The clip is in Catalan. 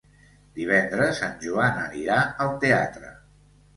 Divendres en Joan anirà al teatre.